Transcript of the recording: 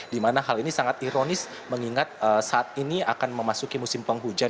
di mana hal ini sangat ironis mengingat saat ini akan memasuki musim penghujan